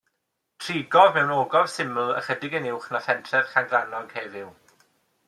Trigodd mewn ogof syml ychydig yn uwch na phentref Llangrannog heddiw.